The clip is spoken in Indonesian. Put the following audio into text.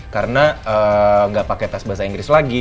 karena gak pakai tes bahasa inggris lagi